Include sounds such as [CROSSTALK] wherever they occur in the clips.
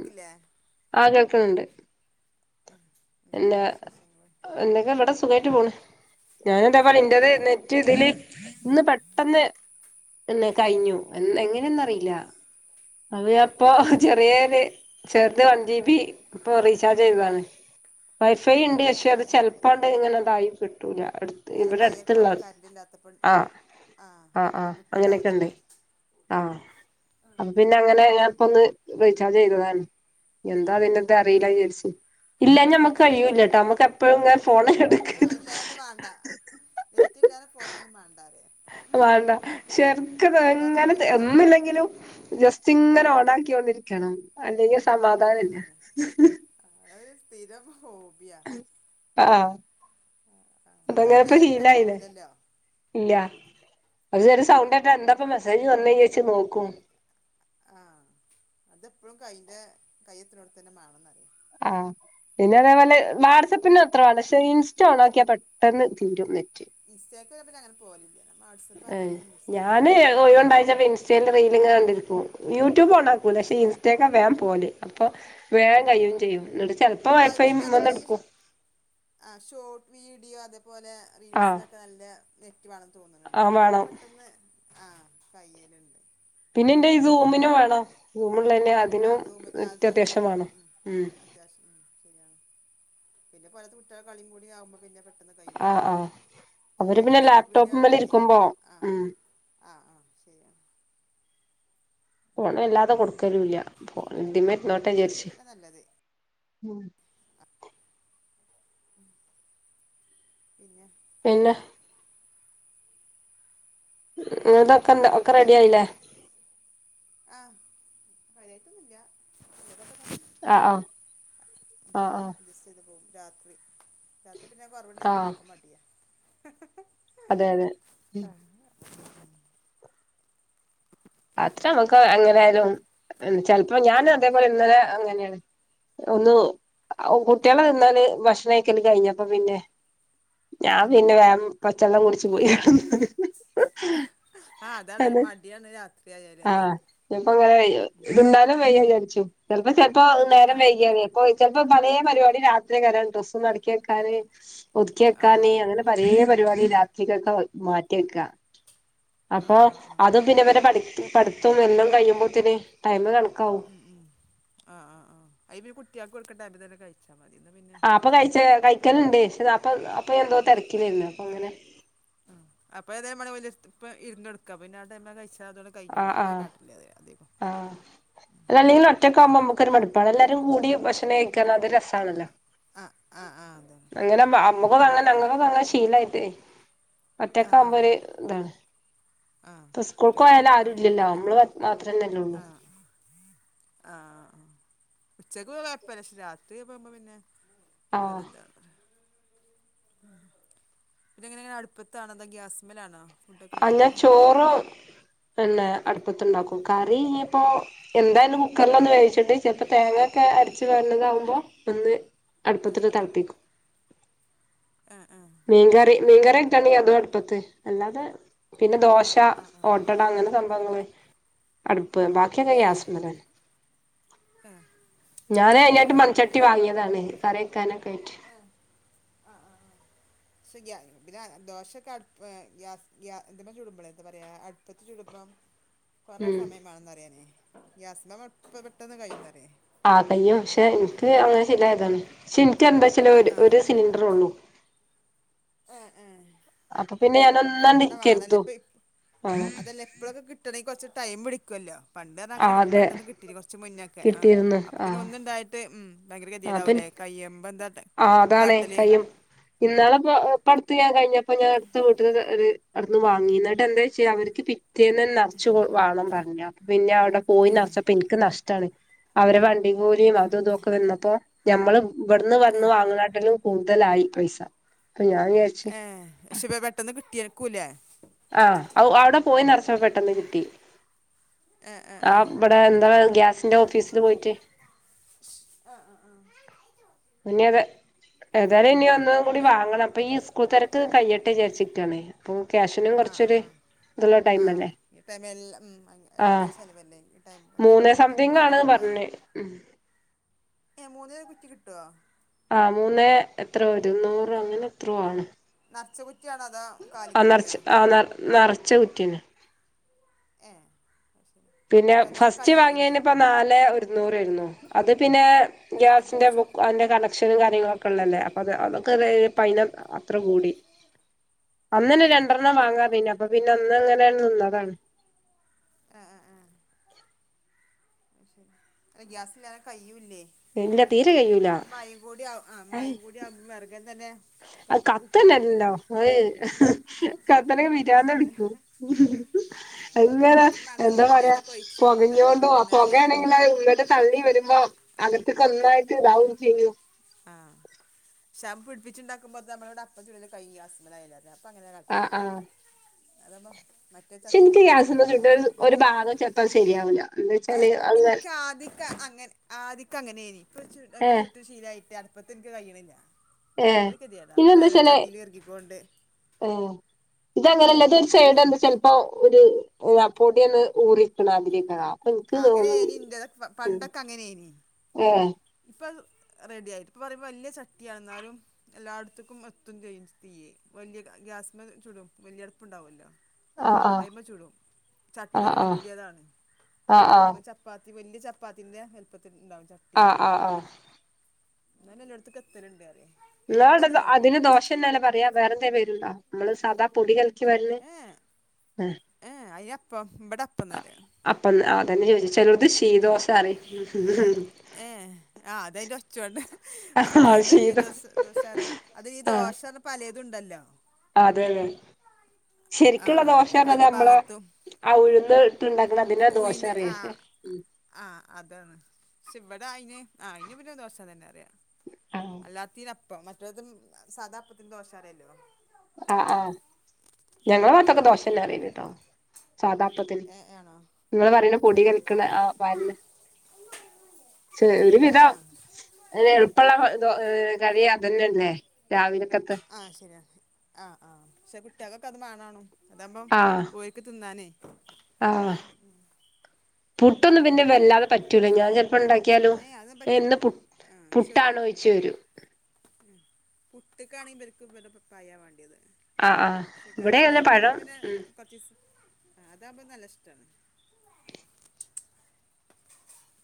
ക്കില്ലേ ആ കേൾക്കുന്നുണ്ട് ആ എന്നാ എന്തൊക്കെയുണ്ട് വിശേഷങ്ങൾ എന്തൊക്കെ ഇവിടെ സുഖായിട്ട് പോണ് ഞാനെന്താ ആ പറയ ആ ഇന്റത് നെറ്റ് ഇതില് ഇന്ന് പെട്ടെന്ന് ഇന്ന് കഴിഞ്ഞു ഇന്നെങ്ങ എന്നറിയില്ല അവരപ്പോ ഏ എന്ത് ചെറിയ ഒരു ചെർ ത് വൺ ജി ബി ഇപ്പോ റീചാർജ് ചെയ്തതാണ് വൈഫൈ ഉണ്ട് ഏ പക്ഷേ ഏ അത് ഏ ചെലപ്പാണ്ട് ഇങ്ങനെ തായി കിട്ടൂല അടുത്ത് അല്ല ഇവിടെ മയൊക്കെ അടുത്തുള്ള ആവുമ്പോൾ കറന്റ്‌ ഇല്ലാത്തപ്പോ ആഹ് ആഹ് ആഹ് അങ്ങനെയൊക്കെ ഉണ്ട് ആവിട്ടുണ്ടാവൂലല്ലോ ആഹ് അപ്പ പിന്നെ അങ്ങനെ ഞാൻ ഇപ്പൊന്ന് റീചാർജ് ചെയ്തതാണ് എന്താ അതിന്റത് ആ അറിയില്ല ആ വിചാരിച്ചു ഇല്ല ഏ ഞമ്മ കുട്ടികളെ വിളിച്ചോ കഴിയൂല്ലട്ടോ നമുക്ക എപ്പോഴും ഇങ്ങ ആ ഇല്ലാ അത് വേണ്ടാ നെറ്റില്ലാതെ ഫോണൊന്നും വേണ്ടാ റായ വേണ്ട ചെർക്ക് ഇതെങ്ങനെ തോന്നൂലല്ലോ ഒന്നുല്ലെങ്കിലും ജസ്റ്റ് ഇങ്ങനെ ഉം ഓണാക്കിയോണ്ടി രിക്കണം അല്ലെങ്കി ആ സമാധാനഇല്ല അതന്നെ ആ [UNINTELLIGIBLE] ഇഹ് ആഹ് അതങ്ങനെ ഇപ്പ അയില്ലാതെ എടുക്കൻ ശീലായില്ലേ തോന്നൂലല്ലോ ഇല്ല ഉം അത് ചെറിയ ആ സൗണ്ട്ട്ടാ എന്താപ്പം മെസ്സേജ് വന്നഹ് ച്ച് നോക്കും ആ അതെപ്പഴും കയ്ന്റെ കയ്യത്ത്നോടുത്ത് തന്നെ മാണെന്നറിയാം ആ പിന്നെ അതേപോലെ വാട്സആപ്പിന് അത്രവേണ്ട പക്ഷെ ഇൻസ്റ്റ ഓണാക്കിയാ പെട്ടെന്ന് തീരും ഇൻസ്റ്റാക്ക് പിന്നെ അങ്ങനെ പോവലില്ല ഏഹ് ഞാന് മുഴുവൻ ണ്ടായിട്ട് ന്നെ ഇൻസ്‌ സ്റ്റയില് റീലും കാണ്ടിരിക്കും യൂട്യൂബ് ഓണാക്കൂല പക്ഷെ ഇൻസ്റ്റക്കെ വേ പോൽ അപ്പൊ വേഗം ആഹ് കഴിയും ചെയ്യും എന്നിട്ട് ചെലപ്പോ വൈഫൈ അതിന് മ്മ്ന്ന് അതേപോലെ ഈ ഇട്ക്കും ആ ഷോർട്ട് വീഡിയോ അത് പോലെ റീൽസിലൊക്കെ നല്ല നെറ്റ് വേണം തോന്നുണുണ്ട് ആഹ് വേണം പെട്ടെന്ന് ആ കയ്യേലുണ്ട് പിന്നെ എന്റെ ഈ സൂമിനും വേണം സൂം ആ സൂമ് ആ സൂമിനും വേണം ഉം അത്യാവശ്യം ഉം ശരിയാണ് പിന്നെ പോലത്തെ കുട്ടികള കളിയും കൂടിയാകുമ്പോ പിന്നെ പ ആ ആ ഓലക്കേ ഈ ഷോട്ട് വീഡിയോ കാണലാ അധികം ആ ഉം ആ ആ ശരിയാ ഫോൺ വല്ലാതെ കൊടു ക്കല്ലൂല്ല ഇതിമേ ഇരുന്നോട്ട ആ വിചാരിച് അതാ നല്ലത് ഉം പിന്നെ പിന്നെ പിന്നെ എന്തൊക്കെയുണ്ട് ഇതൊക്കെ എന്ത ഒക്കെ റെഡി ചായ ആയില്ലേ മഴയത്തും ഇല്ല അ ആ അ ആ അഡ്ജസ്റ്റ് ചെയ്ത് രാത്രി രാത്രി പിന്നെ കുറവുണ്ടേ ആഹ് ഉണ്ടാക്കാൻ മടിയാ അതെ അതെ ഉം അത്ര നമുക്ക് പിന്നെന്താ അങ്ങനായാലും ചെലപ്പോ ഞാനും ആഹ് അതേപോലെ ഇന്നലെ അങ്ങനെയാണ് ഒന്ന് അ കുട്ടികളെ നിന്നാല് ഭക്ഷണം കഴിക്കല് കഴിഞ്ഞപ്പ പിന്നെ ഞാൻ ഉം പിന്നെ വേം പച്ചള്ളം കുടിച്ച് പോയി [UNINTELLIGIBLE] ആ അതതെ മടിയാണ് രാ ആ [UNINTELLIGIBLE] ഇങ്ങനെ ഇണ്ടാക്കാൻ വെയ്യ വിചാരിച്ചും ചെലപ്പോ ചെ ഇപ്പൊ നേരം ആഹ് വൈകിയാലെ അപ്പോ ചെലപ്പം പലേ പരിപാടി രാത്രിയ്ക്കാരം ഡ്രസ്സോന്നടക്കി വെക്കാന് ഒതുക്കി വെക്കാന്നേ ആഹ് അങ്ങനെ പലേ പരിപാടി രാത്രിക്കക്കാ മാറ്റി വെക്കാ ആഹ് അപ്പൊ ആഹ് ആഹ് അതും ശരി പിന്നെവരെ പഠി പഠിത്തോം എല്ലോം കഴിയുമ്പോത്തെന് ടൈമ് കണ ഉം ഉം ആ ആ ആ അയ് [UNINTELLIGIBLE] കുട്ട്യേക്ക്‌ കൊടുക്കണ്ട ആദ്യം തന്നെ കഴിച്ചാ ആ അപ്പൊ കഴിച്ച കഴിക്കല്ണ്ട് ശെ അപ്പൊ അപ്പൊ എന്തോ തെരക്കിലേര്ന്നു അപ്പൊ അങ്ങനെ ആഹ് അപ്പൊ [UNINTELLIGIBLE] ഇരുണ്ടടക്ക പിന്നെ ആ ടെമിലാ കഴിച്ച ആ ആ ആ അല്ല അല്ലെങ്കിലും ഒറ്റക്കാവുമ്പോ നമുക്കൊരു മടു ഇപ്പതെല്ലാരും കൂടി ഭക്ഷണം കഴിക്കാൻ അത് രസാണല്ലോ ആഹ് ആഹ് ആഹ് അതാണ് അങ്ങനെ അമ്മോകതങ്ങ ഞങ്ങക്കതങ്ങനെ ശീലായിട്ടേ ഒറ്റക്ക്‌ ആഹ് ആഹ് ആവുമ്പൊരു ഇതാണ് ആ ഇപ്പ സ്ക്കൂ ഇത്രേപ്പ യാല് തിന്നാ ആരും ഇല്ലല്ലോ പോകൂല നമ്മള് മാത്രന്നല്ലേ ഉള്ളൂ ആ ആ ആ ഉച്ചക്ക് കുഴപ്പല്ലക്ഷെ രാത്രി പോമ്പോ പിന്നെ ആ [UNINTELLIGIBLE] ഇതിങ്ങ്ങ്ങനെ അടുപ്പത്താണോ അതോ ഗ്യാസ്മ്മെൽ ആണോ ആ ഞാൻ ചോറു പിന്നെ അടുപ്പത്ത് ഉണ്ടാക്കും കറി ഇനിയിപ്പോ എന്തായാലും കുക്കറിൽ ഒന്ന് വേവിച്ചിട്ട് ചെലപ്പോ തേങ്ങ ഒക്കെ അടിച്ചു വാരണതാകുമ്പോ ഒന്ന് അടുപ്പത്തിട്ട് തെളപ്പിക്കും. ആ ആ മീൻകറി. മീൻകറ്യേക്കാണെങ്കി അതും അടുപ്പത്ത് അല്ലാതെ- - പിന്നെ ആ ദോശ ആ ആ ഓട്ടട അങ്ങനെ സംഭവങ്ങള് അടു ബാക്കിയൊക്കെ ഏ ഗ്യാസ്മ്മലാണ്. ഏ ഞാനെ - പുത്യായിട്ട് മൺചട്ടി വാങ്ങിയതാണ് കറി വക്കാനൊക്കെ ആയിട്ട്. ഗ്യാസ് ഗ്യാ പിന്നെ ദോശെക്കെ അടുപ്പ് ഏ ഗ്യാസ് ഗ്യാ ഇതുമ്മേച്ചുടുമ്പളെ എന്താ പറയാ അടുപ്പത്ത് ചുടുമ്പോ കുറെ ഉം സമയംമാണം ന്നറയാനെ ഗ്യാസ്മ്മെ എൾപം പെട്ടെന്ന് കഴിയുംന്നറയാ ആ കയ്യും പക്ഷെ എനിക്ക് അങ്ങനെ ശീലായതാണ് പക്ഷെ ഇൻക് എന്താച്ചാലെ ഒരു ആ ഒരു സിലിണ്ടറൊള്ളു ആ ആ അപ്പ രണ്ടെണ്ണം വാണംലെ ഇപ്പയ് ആ അതല്ല ഇപ്പളൊക്കെ കിട്ടണെങ്കി കൊറച്ച് ടൈമ് പിഡ്ക്കോലോ പണ്ട് ആ അതാങ്ങനെ അതെ പെട്ടന്ന് കിട്ടി കൊറച്ച് മുന്നെക്കെ കിട്ടിയിരുന്നു ആ അപ്പോപ്പിന്നെ ഒന്ന്ണ്ടായിട്ട് ഉം ഭയങ്കര ഗെത്യേടാവുംലെ കയ്യുമ്പ തൊട്ടേ ആ അതാണെ കയ്യും. ഇന്നാള്പ്പൊ ഇപ്പടുത്ത് ഞാൻ കഴിഞ്ഞപ്പോ ഞാൻ അടുത്ത വീട്ടന്ന് ഒര് - അവിടുന്ന് വാങ്ങീന്നിട്ട് എന്താച്യേ അവർക്ക് പിറ്റേന്ന്ന്നെ നറച്ച് വാണം പറഞ്ഞു അപ്പോപിന്നെ അവട പോയി ഏ നറച്ചപ്പോ എനിക്ക് നഷ് റ്റാണ് അവരെ വണ്ടി കൂലീം അതും ഇതൊക്കെ വന്നപ്പോ ഞമ്മള് ഇവിടുന്ന് ഏ വന്ന് വാങ്ങണാട്ടിലും കൂടുതലായി പൈസ. അപ്പൊ ഞാൻ വിചാരിച്ച് ഏഹ് പക്ഷേ വെ പെട്ടെന്ന് കിട്ടിയേര്കുംലെ? ആഹ ഔ അവിടെ പോയി നറച്ചപ്പൊ പെട്ടെന്ന് കിട്ടി. ഏ ഏ ഏ ആഹ് ഇഭടെ എന്താ ഗ്യാസിന്റെ ഓഫീസില് പോയിട്ട് പിന്നെത് ഏതാലും ഇനി ഒന്നും കൂടി വാങ്ങണം അപ്പൊ ഈ സ്കൂൾ തെരക്ക് കയ്യട്ടെ വിചാച്ചിട്ടാണ് ഇപ്പൊ ക്യാഷ് ഷ്നും ആ ആ കുറച്ച്ഒര് ആ ആ ഈ ടൈംലെല്ലാം ഉം ആഹ് ഭയങ്കര ചെലവല്ലേ ഈ ടൈം കുറച്ച് ഉം എ ലപാടൊപ്പ - പിന്നെ ഉം ഏഹ് മൂന്നിലോ കുറ്റി കിട്ടോ? ആ മൂന്നേ എത്രെ ഒരുന്നൂറ് അങ്ങനെത്രോ ആണ്. നിറച്ച കുറ്റിയാണോ അതോ ആ നറച്ച കാലിക്കുറ്റിയോ ആ നറ് നറച്ച കുറ്റ്യേന്നെ. ഏഹ് അയ് പിന്നെ ഫസ്റ്റ് വാങ്ങിയേനിപ്പോ നാലേ ഒരുന്നൂറെയിരുന്നു അത് പിന്നെ ഏ അപ്പൊ ഗ്യാസിന്റെ കൊറച്ച് ബു ക്കു അതിന്റെ കണക്ഷനും കാര്യങ്ങളൊക്കെ ഉള്ളല്ലേ അപ്പൊ അത് അതൊക്കെ കഴിഞ്ഞപ്പോ അയിന് അത്ര കൂടി. അന്നന്നെ രണ്ടെണ്ണം വാങ്ങാ പിന്നെ അപ്പൊ പിന്നെ അന്ന് ഇങ്ങനെ നിന്നതാണ്. ആഹ് ആഹ് ആഹ് അയ് ശെരി അല്ല ഗ്യാസില്ലാതെ കയ്യുല്ലേ. ഇല്ല തീരെ കഴൂല ഇപ്പൊ മയീം കൂടി ആഹ് അയ് മയീം കൂടി ആകുമ്പോ വെറകെ തന്നെ അത് കത്തി കിട്ടൂലല്ലോ കത്തന്നെല്ലോ അഹ് ഉം കത്തണെങ്കി പിരാദ്ധ് അതന്നെ പിടിക്കും. ആ എങ്ങനെ അല്ലെങ്കി പിന്നെ എന്താ മണ്ണെണ്ണൊക്കെ ഉണ്ടെങ്കി പറയാ അതൊക്കെ ഒഴിച്ചെടുത്തേക്കാം പൊകഞ്ഞോണ്ടോ അപ്പം ഞാന് പോകേണങ്കിലോ ഉള്ള്ക്ക് തള്ളി വരുമ്പോ അകത്ത്ക്കൊന്നായിട്ട് ഇതാവും ചെയ്യും. ആഹ് ശ്ശെ പിട്പ്പിച്ചിണ്ടാക്കുമ്പോത്ത് നമ്മളവ്ടെ അപ്പം ചുടല് കയ്യും ഗ്യാസ്മ്മലായാല് ഞാപ്പോ അങ്ങനെ കാട്ടല്. അതാമ്പോ ശ്ശെ ഇൻക് ഗ്യാസ്മ്മെ ചുട്ട ഒര് ഒര് ഗതിയാണ് ഭാഗം ചെൽപ്പൊ ശെരിയാവുല. എന്തോയ്ച്ചാല് അയ് ങ്ങ ഇൻക് അങ്ങൻ ആദ്യൊക്കെ അങ്ങനേനി. ഇപ്പൊ ഇച്ച് അയ്മെ ഏഹ് ചുട്ട് ശീലായിട്ട് അട്പ്പത്തിൻക്ക് കയ്യ്ണില്ല. ഏഹ് പിന്നെന്തോയ്ച്ചാല് ഇറക്കിക്കൊണ്ട് ഏ ഇതങ്ങനല്ല ഇത് ഒരു സൈഡ് എന്ത ചെൽപ്പോ ഒരു ആ പൊടി ഒന്ന് ഊറിക്ക്ണാതിര്യക്കെക്കാ ആ അങ്ങനേനി ഇന്റതൊക്കെ പണ്ടൊക്കെ അങ്ങനേനി. ഏഹ് ഇപ്പ റെഡിയായി. ഇപ്പ പറയുമ്പോ വല്ല്യേ ചട്ടിയാണ്. ന്നാലും എല്ലാട്ത്ത്ക്കും എത്തും ചെയ്യും തീയ്യ് വല്ല്യ ഗ്യാ സ്മ്മ ചുടും വെല്ല്യേ അട്പ്പുണ്ടാവൊല്ലോ. ആഹ് അയിമ്മെ ചുടും. ചട്ടീം ആഹ് തന്നെ ആഹ് വല്യേതാണ്. ആഹ് ആഹ് നമ്മള് ചപ്പാ വല്ല്യ ചപ്പാത്തിന്റെ വൽപ്പത്തിണ്ടാക്ക ചട്ടീ ആഹ് ആഹ് ആഹ് ആഹ് ഞാന് എല്ലോട്ത്ത്ക്കും എത്തല്ണ്ടറിയ [UNINTELLIGIBLE] അതിന് ദോശ എന്നന്നെല്ല പറയാ വേറെ എന്തേം പേര്ണ്ടോ മ്മള് സാദാ പുളികൽ [INAUDIBLE] ഏഹ് ഏ അപ്പം ബടെ അപ്പന്നറിയാ തന്നെ ചോദിച്ചു ചെലോത് ശീതോശാണ് ഏ. ആ അത അയിറെ ഒച്ചൊണ്ട് ആഹ് ഒച്ചൊണ്ട് ശീതം ശീദോസ് ദോശറിയാ അത് ഈ ദോശ ത്തുണ്ടല്ലോ അതെലെ ആ ശെരിക്കുള്ള ആ പല ദോശർഞ്ഞത് അമ്മളെ ഭാഗത്തും ആ ഉഴ്ന്ന് ഇട്ട്ണ്ടാക്ക്ണ അതിനാ ഉയിന്ന് ആ ദോശറിയാ ഉം ശെ ഇവിടായിന് ആഹ് അയിന് പിന്ന ദോശാന്നന്നറിയാ ആഹ് അല്ലാത്തിന് പ്പം മറ്റേതും സാദാ അപ്പത്തിന് ദോശറിയല്ലോ. ആഹ് ആഹ് ഞങ്ങളെ ഭാത്തൊക്കെ ദോശെന്നാറയല് ട്ടോ. സാദാ അപ്പത്തിന് ഏ ആണോ ഇങ്ങള് പറയ്ണ പൊടി കലക്ക്ണ ആ പാര്ന്ന ചെ ഒരു ഉം, ആ വിധം ആ ഏ എൾപ്പള്ള ദോ ഏഹ് കടി അതന്നെന്നെ രാവിലക്കത്തെ ആഹ് ആഹ് ശെ കുട്ട്യേക്കൊക്കെ അത് മാണാണും അതാമ്പം ആഹ് ഓല്ക്ക് തിന്നാനേ ആഹ് പുട്ടൊന്നും പിന്നെ വല്ലാതെ പറ്റൂല ഞാൻ ചെൽപ്പൊ ണ്ടാക്കിയാലും അത് ഏ പറ്റും ഇന്ന് പു പുട്ടാണോയ്ച്ച് വരും. ഉം പുട്ട്ക്കാണെ ഇവൽക്ക് ഇവ പയാ വേണ്ടീത്. ആഹ് ആഹ് ശ്ശെ ഇവിടെ കടല അങ്ങനെ മ്മക്ക് പഴം പിന്നെ ഉം കൊർച്ചീസം അ ഇതാവുമ്പ നല്ലിഷ്ടാണ്.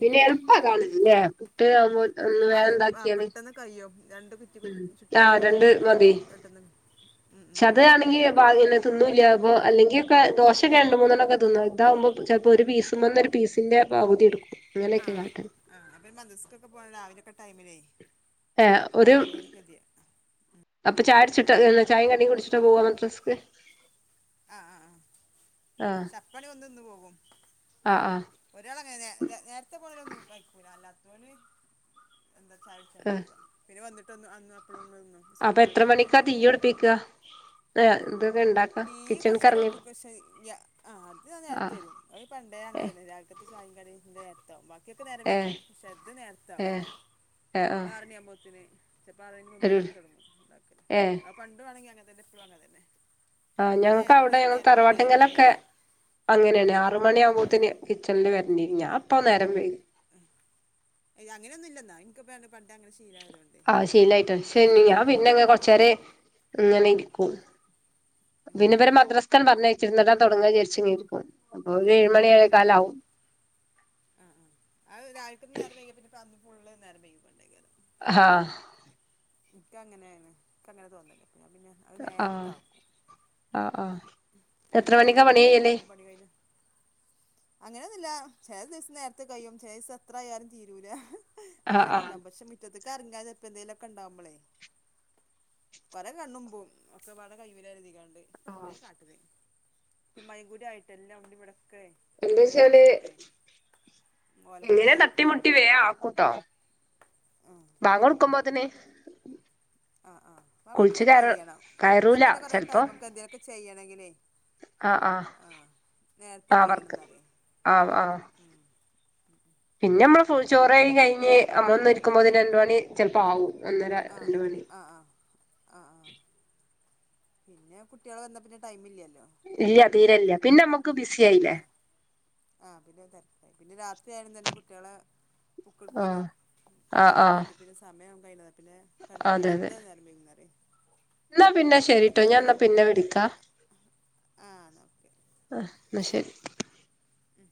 പിന്നെ എള്പ്പാതാണ്ല്ലേ പുട്ട് ആ [UNINTELLIGIBLE] ആഹ് എള്പ്പ പെട്ടെന്ന് കയ്യും. രണ്ട് കുറ്റി പു ഉം ആഹ് ചുട്ടാലേ രണ്ട് മതി പെട്ടെന്നെ ന്നെ പക്ഷെ അത് കാണെങ്കീ ബാവൊന്നും തിന്നൂല്ല്യാ ബോ അല്ലെങ്കിപ്പ ദോശക്കേ രണ്ട്മൂന്നെണ്ണൊക്കെ തിന്നും ഇതാവുമ്പോ ചെൽപ്പോ ഒരു പീസ്മെന്നൊരു പീസിന്റെ പകുതി ട്ക്കും. ആഹ് ആഹ് അത് മതി സ്ക്കൂക്ക് പോവാ [UNINTELLIGIBLE] രാവിലൊക്കെ ടൈമിലെയ് ഏഹ് ഒര് ആ അപ്പൊ ചായുട്ച്ചിട്ട് [UNINTELLIGIBLE] ചാ യിം കടിം കുട്ച്ചിട്ടാ പോവാ മദ്രസ്ക്ക്? ആഹ ആഹ് ആഹ് സപ്പണി വന്ന് തിന്ന് പോവും. ആഹ് ആഹ് നേ തെ നേര്ത്തെ പോണോരൊന്നും കയ്ക്കൂല അല്ലാത്തോല് എന്താ ചായുട്ച്ചാണ്ട പോവ പിന്നെ വന്നിട്ടൊന്ന് അന്ന് അപ്പോഴൊന്നും നിന്നു സ്കൂൾ അപ്പെത്ര ടൈമിൽ മണിക്കാ തീ യുട്പ്പിക്ക? ഏഹ് ത് തീയ്യ് കൊർച്ചയ്ഞ്ഞ്ട്ട് പിട്പ്പിക്കൂ പക്ഷേ ഗ്യാ ആഹ് അത് ആ നേരത്ത് ആഹ് വെരും അത് പണ്ടേ ഏഹ് അങ്ങനെന്നെ രാക ത്തെ ചായിം കടിം ഇൻ്റെ നേര്ത്താവും ബാ ക്ക്യൊക്കെ നേരം ഏഹ് വെയ്കും പക്ഷേത് നേര്ത്താവും ഏഹ് ഏഹ് അത് ആഹ് ആറണ്യാവുമ്പോത്തിന് ചെല്പ്പാറണിൻ്റെ ഒരു മുമ്പെനാണ്ട് തൊടങ്ങും ണ്ടാക്കല് ഏഹ് അത് പണ്ടോണങ്കി അങ്ങെൻതന്നെ ഇപ്പളും അങ്ങെൻതന്നെ ആഹ് ഞങ്ങക്കവടെ ഞങ്ങളെതറവാട്ടിങ്ങലൊക്കെ ഗതികേടാ അങ്ങനെണ് ആറ് മണ്യാവുമ്പോത്തിന് കിച്ചൺല് വ ഞാ പ്പം നേരം വെെ ഏയ് അങ്ങനെയൊന്നും ഇല്ലെന്നാ എനിക്ക് പണ്ട് പണ്ട് അങ്ങനെ ശീലമായതുകൊണ്ടേ ആഹ് ശീലായിട്ടാണ് ഇപ്പോഴും ശെ അങ്ങനെ തന്നെ ഞാ പോകല് പിന്നെങ്ങെ ആ കൊറച്ചേരെ ങ്ങനെര് [UNINTELLIGIBLE] പിന്നെ വരെ മദ്രാസ്ക്കാൻ പർഞ്ഞയിച്ച് ഇന്നട്ടണ്ട് തൊടങ്ങാചാര്ച്ച്ങ്ങരിക്കും [UNINTELLIGIBLE] ഉം [UNINTELLIGIBLE] ആഹ് ആഹ് അത് രാവിൽ തന്നെ നേരം വൈക്യാ പിന്ന പർ ഉള്ള നേരേം വെയ്കും പണ്ടേക്കാരം ഹാ ഇക്ക് അങ്ങനേണ് ഇക്ക് അങ്ങനെ തോന്നല്. ഞാൻ പിന്നെ അത് നേരത്തെ ആഹ് ആക്കും ആ ഹ് ആഹ് അത് എത്ര കയ്യിഞ്ഞ മണിക്കാ പണി പിന്നെ കയ്യല് നമ്മ പണി കയ്യിഞ്ഞ്. അങ്ങനെയൊന്നുമില്ല. ചെല ദിവസം നേരത്തെ കഴിയും. ചെല ദിവസം എത്ര ആയാലും തീരൂല ആഹ് അങ്ങനെയൊക്കെ ആഹ് ഉണ്ടാകും. പക്ഷെ മുറ്റത്തക്ക് ഇറങ്ങാൻ ചെലപ്പോ എന്തേങ്കലുമൊക്കെ ഉണ്ടാവുമ്പളെ കൊറെ കണ്ണും പൂം ഒക്കെ വടെ കൈവിരലതി ങ്ങാണ്ട് ആഹ് അങ്ങനെ കാട്ടു തൈ ഉ [UNINTELLIGIBLE] മ്മയു കൂടി ആയിട്ടല്ല ഇവിടക്കെ എന്നു വച്ചാല് ഓലക്കൊടി ഇങ്ങനെ ആയിട്ടും തട്ടിമുട്ടി വേഗം ആക്കൂട്ടോ ആഹ് ബാങ്ക് കൊടുക്കുമ്പോഴതിനെ [UNINTELLIGIBLE] ആ ആ പ കൈയണം എന്നാ കയറൂല പിന്നെ കൊറെ ടൈം നമുക്ക് എന്തെങ്കൊക്കെ ചെയ്യണങ്കിലേ? ആ ആ നേരത്തെ കൈയണംന്നരേ ആഹ് ഉം ഉം ചോറ് കഴിഞ്ഞ് അയിന് മ്മന്ന് ഇരിക്കുമ്പോ ഇതിന് രണ്ട് മണി ചിലപ്പോ ആവും. ഒന്നര ആഹ് രണ്ട് മണി. ആഹ് ആഹ് ആഹ് ആഹ് പിന്നെ കുട്ടികൾ വന്നാ പിന്നെ ടൈം ഇല്ലല്ലോ. ഇല്ല തീരെയില്ല. പിന്നെ നമുക്ക് ബിസി ആയില്ലേ. ആ പിന്നെ തിരക്കായി പിന്നെ രാത്രിയാലും തന്നെ കുട്ടികളെ ആഹ് ബുക്കെടുക്കലും ആഹ് ഇതൊക്കെ ആഹ് ആകുമ്പോഴത്തെ പിന്നെ സമയം കഴി പിന്നെ അതെ കടക്കുമ്പത്തെ അതെ എന്ത നേരം വൈകുന്നറിയോ? എന്നാ പിന്നെ ഇടക്ക് ശരിട്ടോ. ഞാൻ നേരത്തെ എന്നാ കിട പിന്നെ വിളിക്കാ. ആഹ് എന്നാ ഓക്കെ ആ എന്ന ശരി. ഉം